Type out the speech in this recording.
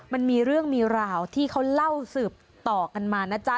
มันมีเรื่องมีราวที่เขาเล่าสืบต่อกันมานะจ๊ะ